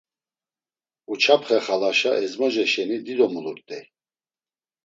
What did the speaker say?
Uçapxe xalaşa ezmoce şeni dido mulurt̆ey.